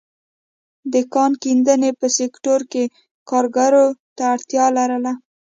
د کان کیندنې په سکتور کې کارګرو ته اړتیا لرله.